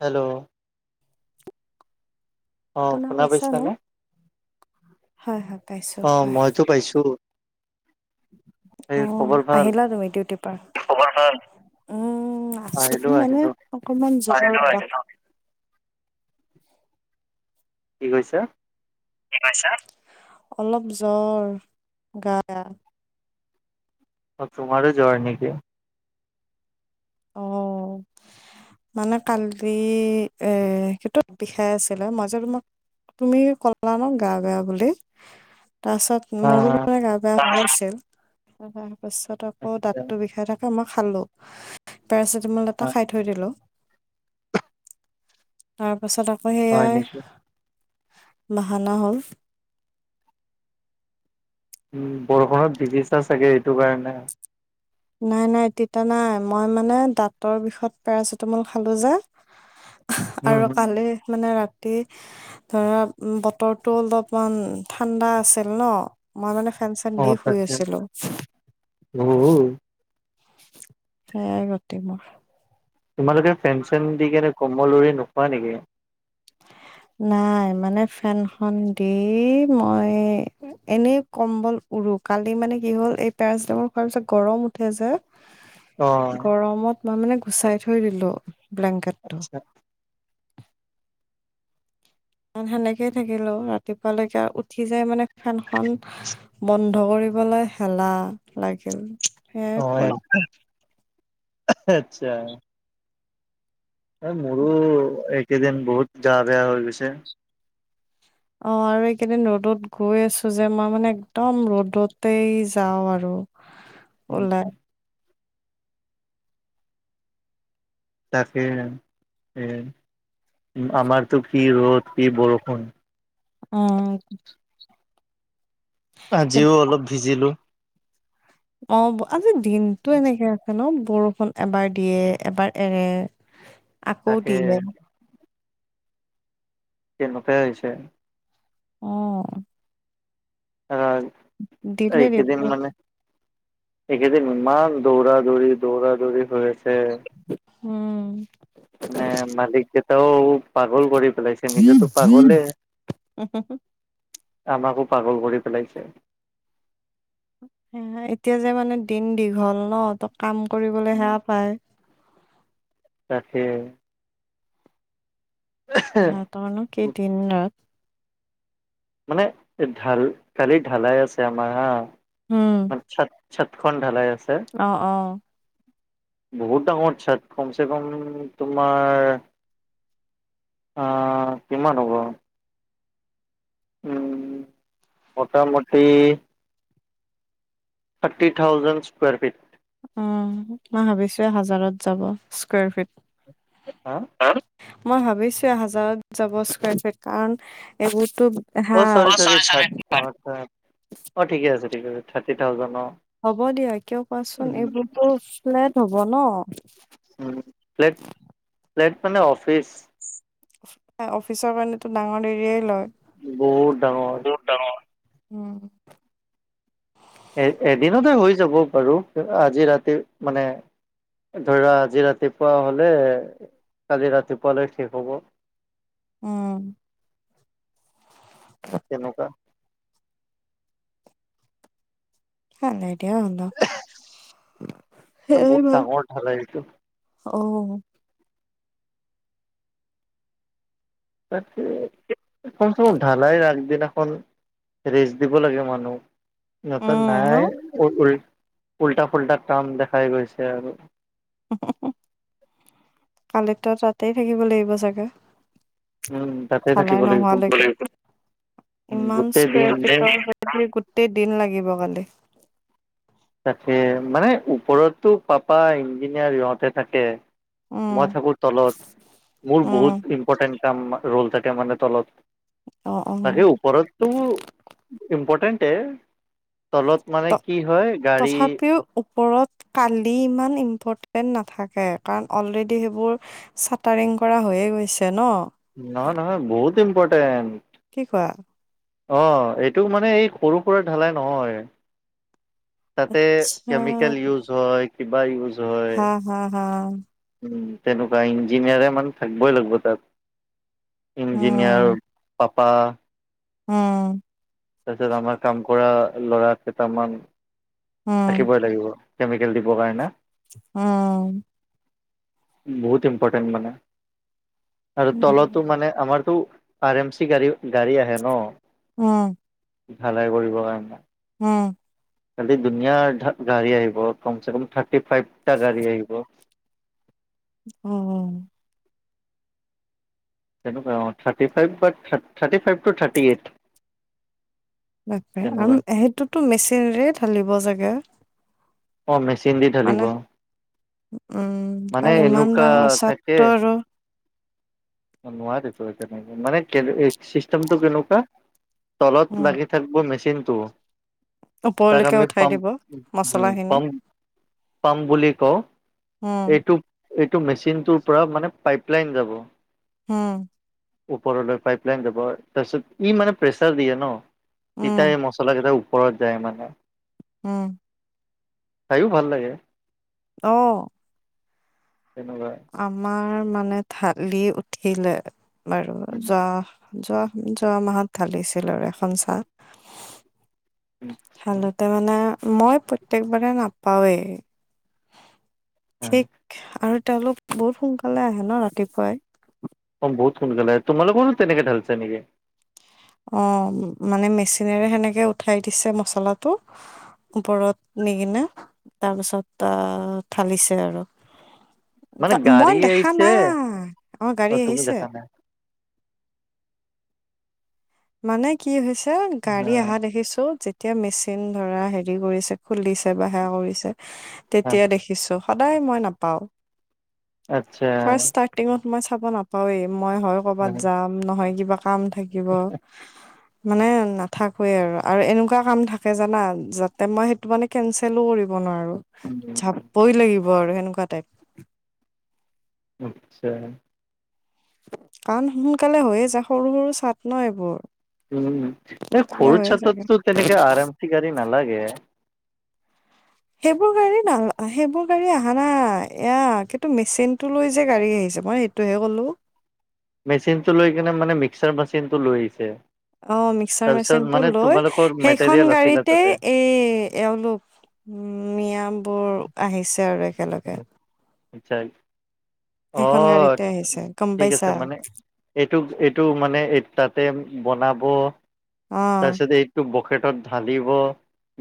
Hello অ' শুনা পাইছা ন? পাইছানে? হয়, হয় পাইছো। অ' কোৱা। মইতো পাইছো। এই অ' খবৰ ভাল আহিলা তুমি ডিউটিৰ পৰা? খবৰ ভাল? উম আছো আহিলো মানে আহিলো অকনমান জগৰ [unintelligible] কি কৈছা? [unintelligible] অলপ জ্বৰ গা বেয়া। অ তোমাৰো জ্বৰ নেকি? অ মানে কালি এ সেইটোত বিষাই আছিলে মাজত তোমাক তুমি কলা ন গা বেয়া বুলি তাৰপিছত হা মোৰো হা পুৰা গা বেয়া হৈ আছিল তাৰ পাছত আকৌ আচ্ছা দাঁততো বিষায় থাক কে মই খালো পেৰাচিটামল এটা হা খাই থৈ দিলো তাৰ পাছত আকৌ হয় সেইয়াই নেকি? বাহানা হ'ল উম বৰষুণত ভিজিছা চাগে সেইটো কাৰণে নাই নাই তিটা নাই মই মানে দাঁতৰ বিষত পেৰাচিটামল খালো যে উম আৰু উম কালি মানে ৰাতি ধৰা বতৰটো অলপমান ঠাণ্ডা আছিল ন মই মানে ফেন অ দি শুই তাকে আছিলো। উ সেয়াই গতি মোৰ। তোমালোকে ফেন চেন দি কেনে কম্বল লৈ নোহোৱা নেকি? নাই মানে ফেনখন দি মই এনেই কম্বল উৰু কালি মানে কি হ'ল এই পেৰাচিটামল খোৱাৰ পিছত গৰম উঠে যে অ গৰমত মই মানে গুচাই থৈ দিলো ব্লেংকেট আচ্ছা সেনেকেই থাকিলো ৰাতিপুৱালৈকে উঠি যাই মানে ফেনখন বন্ধ কৰিবলৈ হেলাহ লাগিল। সেয়াই অ পৰি আচ্ছা এই মোৰো এইকেইদিন বহুত গা বেয়া হৈ গৈছে। অ আৰু এইকেইদিন ৰ'দত গৈ আছো যে মই মানে একদম ৰ'দতেই যাওঁ আৰু [unintelligible] ওম তাকে, এ আমাৰতো কি ৰ'দ কি বৰষুণ। অ। আজিও অলপ ভিজিলো। অ, আজি দিনটো এনেকে আছে ন বৰষুণ। এবাৰ দিয়ে এবাৰ এৰে আকৌ তাকে দিয়ে। তেনেকোৱাই হৈছে। অ। অহ দিলে দিব এইকেইদিন মানে, এইকেইদিন ইমান দৌৰা দৌৰি দৌৰা দৌৰি হৈ আছ উম। মানে মালিক কেইটাও পাগল কৰি পেলাইছে। নিজেতো পাগলে, আমাকো পাগল কৰি পেলাইছে। এতিয়া যে মানে দিন দীঘল ন, ত কাম কৰিবলে উম, সেয়া পায়। তাকে, তেহেতৰ নো কি দিন ৰাত মানে ঢাল কালি ঢালাই আছে আমাৰ হা, উম [unintelligible] ছাতখন ঢালাই আছে। অ অ। বহুত ডাঙৰ ছাত, কমচে কম তোমাৰ অ কিমান হ'ব‌? উম মোটামুটি থাৰ্টি থাউজেন্ড স্কুৱেৰ ফিট। উ মই ভাবিছোৱে হাজাৰত যাব স্কুৱাৰ ফিট হা হা মই ভাবিছোৱে হাজাৰত যাব স্কুৱেৰ ফিট, কাৰণ এইবোৰতো হা অ চৰি চৰি, থাট অ অ ঠিকে আছে ঠিক আছে থাৰ্টি থাউজেন্ড অ। হ'ব দিয়া কিয় কোৱাচোন উম এইবোৰতো ফ্লেট হ'ব ন। উম ফ্লেট ফ্লেট মানে অফিচ অফিচৰ কাৰণেতো ডাঙৰ এৰিয়াই লয়। বহুত ডাঙৰ। বহুত ডাঙৰ। উম। এ এদিনতে হৈ যাব বাৰু আজি ৰাতিৰ মানে ধৰা আজি ৰাতিপুৱা হ'লে, কালি ৰাতিপুৱালৈ শেষ হ'ব। উম তেনেকুৱা হে নিদিয়াই হ'ল আও, মানে সেইয়াই বহুত ভাল। ডাঙৰ ঢালাই এইটো অ তাকে কমচে কম ঢালাই আগদিনাখন ৰেষ্ট দিব লাগে মানুহ সিহঁতৰ উম, ন নাই [unintelligible] উল্টা ফুলটা কাম দেখাই গৈছে আৰু। হু হু হু কালিটো তাতেই থাকিব লাগিব চাগে উম তাতে থাকিব ঢালাই লাগিব নোহোৱালৈকে ইমান গোটেই দিন মোৰ [unintelligible] [unintelligible] গোটেই দিন লাগিব কালি। তাকে মানে ওপৰততো পাপাৰ ইঞ্জিনিয়াৰ ইহঁতে থাকে উম, মই থাকো তলত, মোৰ উম, বহুত ইম্পৰ্টেন্ট কাম ৰ'ল থাকে মানে তলত। অ', অ'। তাকে ওপৰতটো ইম্পৰ্টেণ্টে। তলত মানে কি হয় গাড়ী তথাপি তেওঁ ওপৰত কালি ইমান ইম্পৰ্টেন্ট নাথাকে কাৰণ অলৰেডি সেইবোৰ চাটাৰিং কৰা হৈয়ে গৈছে ন নহয় নহয় বহুত ইম্পৰ্টেণ্ট কি কোৱা অ এইটো মানে এই সৰু সুৰা ঢালাই নহয় তাতে আচ্ছা কেমিকেল ইউজ হয় কিবা ইউজ হয় হা হা হা তেনেকুৱা ইঞ্জিনিয়াৰে মানে থাকিবই লাগিব তাত। উম ইঞ্জিনিয়াৰ পাপা উম তাৰপিছত আমাৰ কাম কৰা ল'ৰা কেইটামান উম থাকিবই লাগিব। কেমিকেল দিবৰ কাৰণে। উম বহুত ইম্পৰ্টেন্ট মানে আৰু তলতো উম মানে আমাৰতো আৰ এম চি গাড়ী গাড়ী আহে ন অ ঢালাই কৰিবৰ কাম হুম। কালি দুনীয়া গা গাড়ী আহিব কম চে কম থাৰ্টি ফাইভটা গাড়ী আহিব। অ অ তেনেকুৱা অ থাৰ্টি ফাইভ বা থা thirty five two thirty eight. তাকে তেনেকুৱা আৰু সেইটোতো মেচিনৰে ঢালিব চাগে। অ মেচিন দি ঢালিব। মানে উম মানে কাৰণ ইমান এনেকুৱা ডাঙৰ ছাডটো আৰু নোৱাৰে তেতিয়ালৈকে মানে এই চিষ্টেমটো কেনেকুৱা তলত উম লাগি। থাকিব মেচিনটো তাক ওপৰলৈকে আমি উঠাই দিব পাম্প উম মচলাখিনি পাম্প পাম্প বুলি কওঁ উম এইটো। এইটো মেচিনটোৰ পৰা মানে পাইপ লাইন যাব। উম। ওপৰলৈ পাইপ লাইন যাব তাৰপিছত ই মানে প্ৰেচাৰ দিয়ে ন উম তেতিয়া এই মছলা কেইটা। ওপৰত যায় মানে। উম। চাইয়ো ভাল লাগে। অ তেনেকুৱা। আমাৰ মানে থালি উঠিলে বাৰু উম। যোৱা যোৱা যোৱা মাহত ঢালিছিল আৰু এখন চাড ঢালোতে মানে মই প্ৰত্যেকবাৰে নাপাওৱেই। ঠিক আৰু তেওঁলোক বহুত সোনকালে আহে ন ৰাতিপুৱাই। অ বহুত সোনকালে আহে তোমালোকৰো তেনেকে ঢালিছে নেকি। অ মানে মেচিনেৰে সেনেকে উঠাই দিছে মচলাটো। ওপৰত নি কিনে তাৰ পিছত আহ ঢালিছে আৰু। ত মানে মই গাড়ী দেখা আহিছে নাই আমাৰ গাড়ী অ তুমি আহিছে। দেখা নাই মানে কি হৈছে গাড়ী অহা অ দেখিছো তেতিয়া মেচিন ধৰা হেৰি কৰিছে খুলিছে বা সেয়া কৰিছে তেতিয়া দেখিছো সদায় মই নাপাওঁ আচ্ছা ফাৰ্ষ্ট টিঙত মই চাব নাপাওৱেই মই হয় কৰবাত যাম নহয় কিবা কাম থাকিব। মানে নাথাকোৱে আৰু আৰু এনেকুৱা কাম থাকে জানা যাতে মই সেইটো মানে। কেনচেলো কৰিব নোৱাৰো উম। যাবই লাগিব আৰু সেনেকুৱা টাইপ। আচ্ছা কাৰণ সোনকালে হৈয়ে যায় সৰু সৰু চাড ন এইবোৰ উম এই সোনকালে সৰু হৈয়ে যায় চাডতটো তেনেকে আৰাম চি গাড়ী নালাগে সেইবোৰ গাড়ী না আহে ক গাড়ী আহা নাই এয়া কিন্তু মেচিনটো লৈ যে গাড়ী আহিছে মই সেইটোহে ক'লো মেচিনটো লৈ কিনে মানে মিক্সাৰ মেচিনটো লৈ আহিছে অ মিক্সাৰ তাৰপিছত মেচিনটো মানে লৈ তোমালোকৰ সেইখন মেটেৰিয়েল আছিলে গাড়ীতে তাতে এই এওঁলোক মিয়াবোৰ আহিছে আৰু একেলগে আচ্ছা সেইখন অহ গাড়ীতে আহিছে গম ঠিক পাইছা আছে মানে এইটো এইটো মানে এই তাতে বনাব অ তাৰপিছতে এই টো বকেটত ঢালিব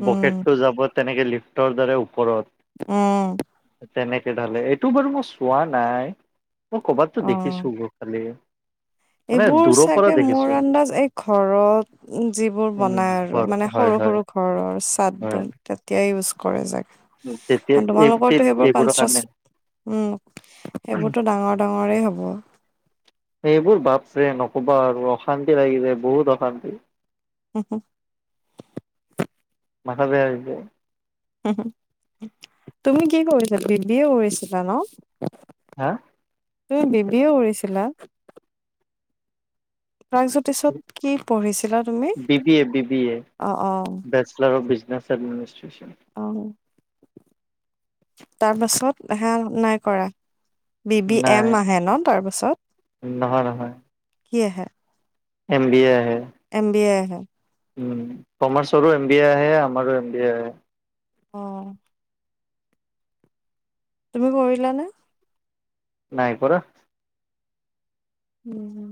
উম বকেটটো যাব তেনেকে লিফ্টৰ দ্বাৰাই ওপৰত অ। তেনেকে ধালে এইটো বাৰু মই চোৱা নাই। মই ক'বাততো অ দেখিছো গৈ খালে। এইবোৰ চাগে মোৰ আন্দাজ এই ঘৰত যিবোৰ উম বনাই আৰু, ঘৰ মানে হয় সৰু হয় সৰু ঘৰৰ চাদ হয় বন। তেতিয়াই ইউছ কৰে যায়। তেতিয়া আৰু এই তোমালোকৰতো সেইবোৰ এইবোৰৰ কনঞ্চাছ কাৰণে উম, সেইবোৰতো ডাঙৰ। ডাঙৰেই হ'ব। এইবোৰ বাপৰে নক'বা আৰু অশান্তি লাগি যায়, বহুত অশান্তি। হু- হু। মাথা বেয়া হৈ যায়। তুমি কি কৰিছা, বি বি য়ে কৰিছিলা ন? হা? তুমি বি বি এ কৰিছিলা? তাৰ পিছত B B A, B B A অ' অ' বেচলাৰ অফ বিজনেছ। চবমিনিষ্ট্ৰেচন। অ। তাৰ পাছত এইহাল নাই কৰা? বি বি এম নাই আহে ন তাৰপাছত, নহয় নহয় কি আহে? এম বি এ আহে। এম বি এ আহে। উম, কমাৰ্চৰো এম বি এ আহে আমাৰো এম বি এ আহেম অ। তুমি কৰিলা নে? নাই কৰা। উম, হুম।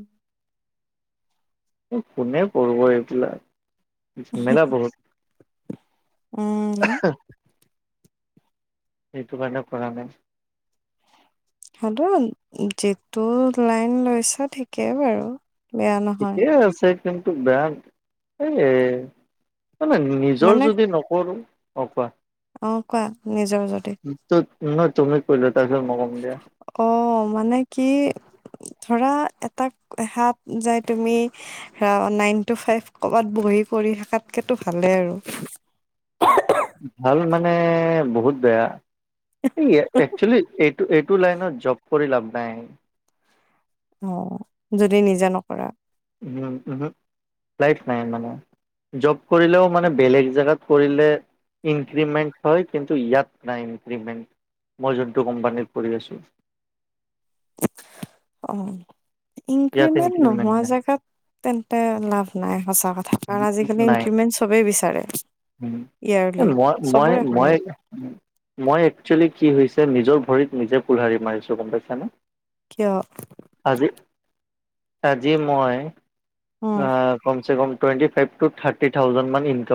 কোনে কৰিব এইবিলাক। ঝেমেলা বহুত উম। অ [unintelligible] এইটো কাৰণে কৰা নাই। হটো যিটো লাইন লৈছা ঠিকেই বাৰু। বেয়া নহয়। ঠিকেই আছে, কিন্তু বেয়া এই মানে নিজৰ মানে যদি নকৰোঁ, হক বা। অ, কোৱা নিজৰ যদি। ত, নহয় তুমি কৈ লোৱা তাৰপিছত মই কম দিয়া। অ, মানে কি ধৰা, এটাক হাত যাই তুমি আ, নাইন টু ফাইভ কৰবাত বহি কৰি থকাতকেতো ভালে আৰু। ভাল মানে বহুত বেয়া, এই একচোলি এ টো, এইটো লাইনত জব কৰি লাভ নাই। যদি নিজে নকৰা। ও, ওহো ফ্লাইট নাই মানে। জব কৰিলেও মানে, বেলেগ জেগাত কৰিলে ইনক্ৰিমট হয়, কিন্তু ইয়াত নাই ইনক্ৰিমেট মই যোনটো কোম্পানিত কৰি আছো। অ ইয়াত ইনক্ৰিমেণ্ট ইনক্ৰিমেন্ট নোহোৱা নাই জেগাত তেন্তে লাভ নাই সঁচা কথা কাৰণ আজিকালি নাই ইনক্ৰিমেণ্ট চবেই বিচাৰে উম ইয়াৰলি মই মই চবৰে হয়ে মই মই এক্সৱেলি কি হৈছে নিজৰ ভৰিত নিজে কোলহাৰি মাৰিছোঁ গম পাইছানে? কিয় আজি আজি মই উম আ কমচে কম twenty five two thirty thousand মান ইনকাম